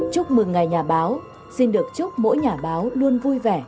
chúc mừng ngài nhà báo xin được chúc mỗi nhà báo luôn vui vẻ